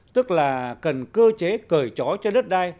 tức là cần cơ chế cởi trói cho đất đai